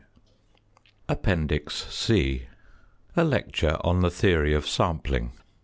APPENDIX C. A LECTURE ON THE THEORY OF SAMPLING.